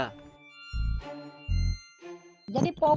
leli aryani ketua pengadilan jokowi dodo